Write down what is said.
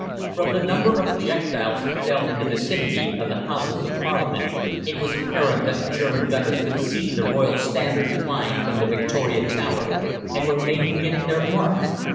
From the number of projectiles that fell in the vicinity of the Houses of Parliament, it was apparent that the German gunners could see the Royal Standard flying from the Victoria Tower, and were making it their mark.